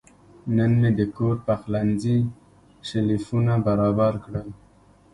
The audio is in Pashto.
نن مې د کور پخلنځي شیلفونه برابر کړل.